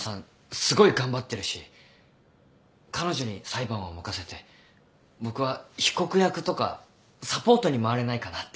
すごい頑張ってるし彼女に裁判は任せて僕は被告役とかサポートに回れないかなって。